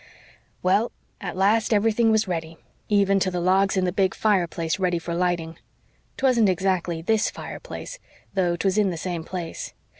"Well, at last everything was ready even to the logs in the big fireplace ready for lighting. 'Twasn't exactly THIS fireplace, though 'twas in the same place.